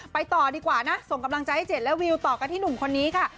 ต่อดีกว่านะส่งกำลังใจให้เจ็ดและวิวต่อกันที่หนุ่มคนนี้ค่ะ